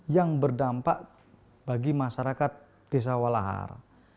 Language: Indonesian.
yang berdampak bagi masyarakat desa walahar